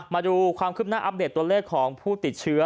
มาดูความคืบหน้าอัปเดตตัวเลขของผู้ติดเชื้อ